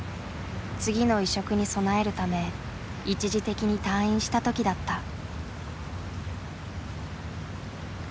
次の移植に備えるため一時的に退院した時だった。